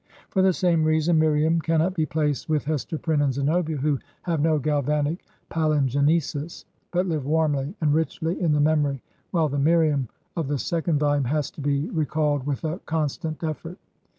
For the same reason Miriam cannot be placed with Hester Prynne and Zenobia, who have no galvanic palingenesis, but live warmly and richly in the memory, while the Miriam of the second volume has to be recalled with a constant eflFort.